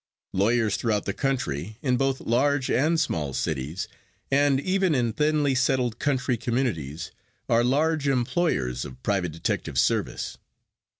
Lawyers throughout the country, in both large and small cities, and even in thinly settled country communities, are large employers of private detective service.